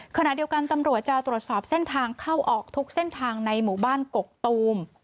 ขณะเดียวกันตำรวจจะตรวจสอบเส้นทางเข้าออกทุกเส้นทางในหมู่บ้านกกตูม